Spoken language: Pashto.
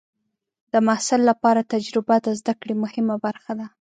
د محصل لپاره تجربه د زده کړې مهمه برخه ده.